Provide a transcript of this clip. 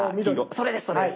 それですそれです。